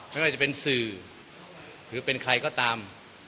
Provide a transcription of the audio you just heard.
ไม่ว่าจะเป็นสื่อหรือเป็นใครก็ตาม